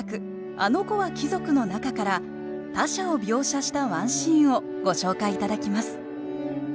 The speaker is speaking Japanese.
「あのこは貴族」の中から他者を描写したワンシーンをご紹介頂きます